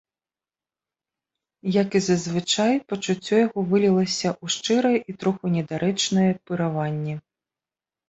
Як і зазвычай, пачуццё яго вылілася ў шчырае і троху недарэчнае парыванне.